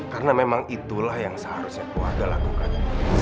karena memang itulah yang seharusnya keluarga lakukan